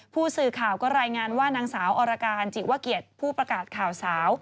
ผู้สื่อข่าวก็รายงานว่านางสาวอรการจิวะเกียรติผู้ประกาศข่าวสาว